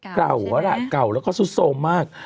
กล่าวแล้วก็ซุดโซมมาก